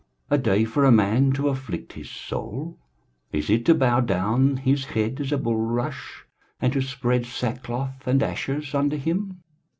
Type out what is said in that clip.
a day for a man to afflict his soul? is it to bow down his head as a bulrush, and to spread sackcloth and ashes under him?